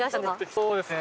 そうですね。